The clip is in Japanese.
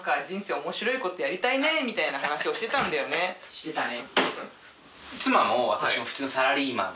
してたね。